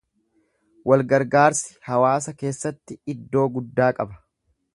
Wal-gargaarsi hawaasa keessatti iddoo guddaa qaba.